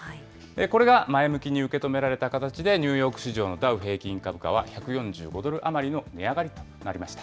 これが前向きに受け止められた形で、ニューヨーク市場のダウ平均株価は１４５ドル余りの値上がりとなりました。